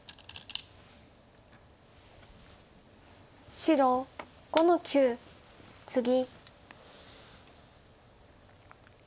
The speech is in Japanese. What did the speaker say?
白５の九ツギ。